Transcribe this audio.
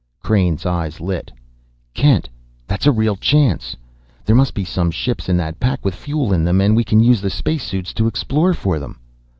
Crain's eyes lit. "Kent, that's a real chance! There must be some ships in that pack with fuel in them, and we can use the space suits to explore for them!"